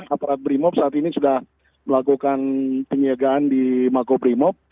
aparat primo saat ini sudah melakukan penyegaan di maku primo